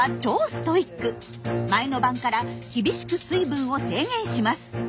前の晩から厳しく水分を制限します。